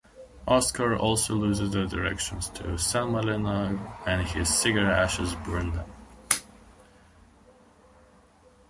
Oscar also loses the directions to San Malina when his cigar ashes burn them.